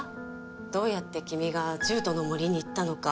どうやって君が獣人の森に行ったのか。